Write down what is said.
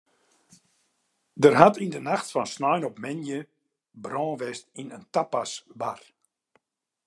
Der hat yn de nacht fan snein op moandei brân west yn in tapasbar.